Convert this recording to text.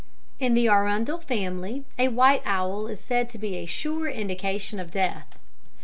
In the Arundel family a white owl is said to be a sure indication of death.